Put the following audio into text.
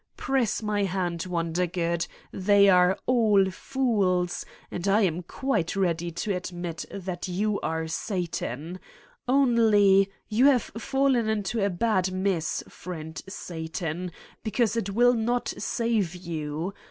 Press my hand, Wondergood: they are all fools and I am quite ready to admit that 261 Satan's Diary you are Satan. Only you have fallen into a bad mess, friend Satan. Because it will not save you.